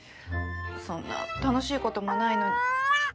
そんな楽しいこともないのに。